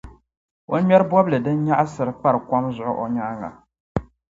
O ŋmɛri bɔbili din nyaɣisira pari kom zuɣu o nyaaŋa.